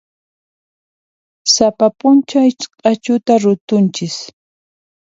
Sapa p'unchay q'achuta rutunchis.